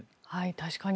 確かに。